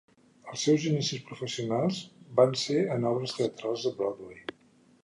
Els seus inicis professionals van ser en obres teatrals de Broadway.